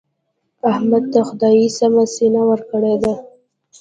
احمد ته خدای سمه سینه ورکړې ده.